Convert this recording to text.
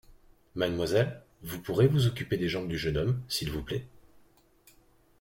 Mademoiselle, vous pourrez vous occuper des jambes du jeune homme, s’il vous plaît ?